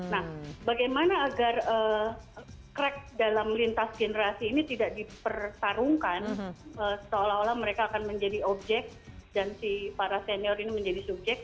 nah bagaimana agar crack dalam lintas generasi ini tidak dipertarungkan seolah olah mereka akan menjadi objek dan si para senior ini menjadi subjek